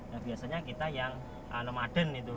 nah biasanya kita yang nomaden itu kan